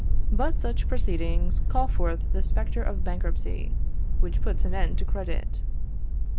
But such proceedings call forth the spectre of bankruptcy, which puts an end to credit.